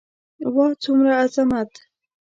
واه څومره عظمت.